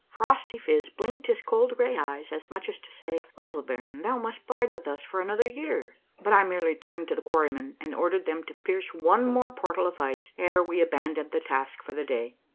Phrostyphiz blinked his cold gray eyes as much as to say, " Little baron, thou must bide with us for another year !" But 1 merely turned to the quarrymen, and ordered them to pierce one more portal of ice ere we abandoned the task for the day.